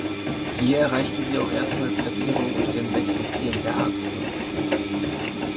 Hier erreichte sie auch erstmals Platzierungen unter den besten Zehn der A-Gruppe.